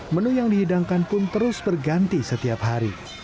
menu yang dihidangkan pun terus berganti setiap hari